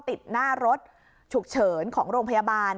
ติดหน้ารถฉุกเฉินของโรงพยาบาล